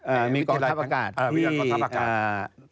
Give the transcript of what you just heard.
เอ่อมีกองทัพอากาศเอ่อมีกองทัพอากาศ